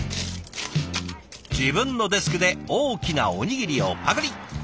自分のデスクで大きなおにぎりをパクリ！